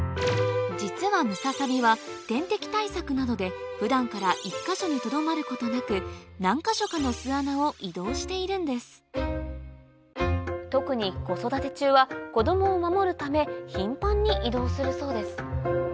実はムササビは天敵対策などで普段から１か所にとどまることなく何か所かの巣穴を移動しているんです特に子育て中は子供を守るため頻繁に移動するそうです